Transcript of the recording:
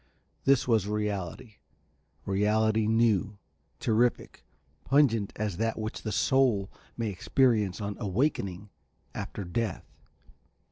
This was reality. Reality new, terrific, pungent as that which the soul may experience on awakening after death.